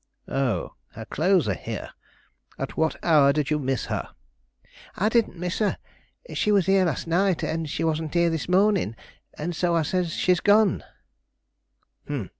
"Oh, her clothes are here. At what hour did you miss her?" "I didn't miss her. She was here last night, and she isn't here this morning, and so I says she's gone."